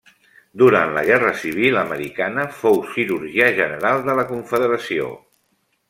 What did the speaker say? Durant la Guerra civil americana, fou Cirurgià General de la Confederació.